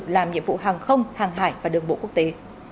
làm nhiệm vụ hàng không hàng hải và đường bộ quốc tế